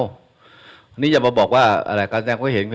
อันนี้อย่ามาบอกว่าการแสดงความเห็น